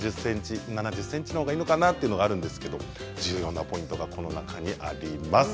６０ｃｍ、７０ｃｍのほうがいいのかなというのがあるんですが重要なポイントがこの中にあります。